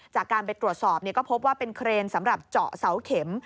จากการไปตรวจสอบก็พบว่าเป็นเครนสำหรับเจาะเสาเข็ม